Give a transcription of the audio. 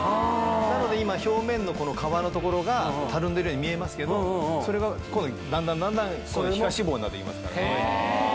なので今表面のこの皮の所がたるんでるように見えますけどそれが今度だんだんだんだん皮下脂肪になって行きますから。